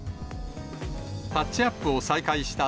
タッチアップを再開した